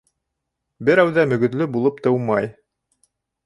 Берәү ҙә мөгөҙлө булып тыумай.